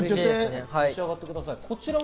召し上がってください。